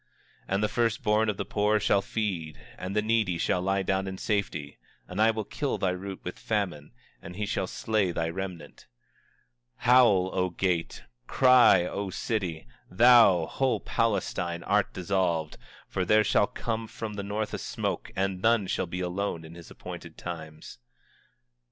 24:30 And the first born of the poor shall feed, and the needy shall lie down in safety; and I will kill thy root with famine, and he shall slay thy remnant. 24:31 Howl, O gate; cry, O city; thou, whole Palestina, art dissolved; for there shall come from the north a smoke, and none shall be alone in his appointed times.